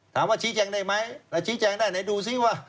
ถามว่าชี้แจงได้ไหมแล้วชี้แจงได้ไหนดูซิว่า